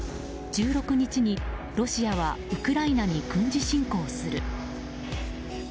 １６日にロシアはウクライナに軍事侵攻する。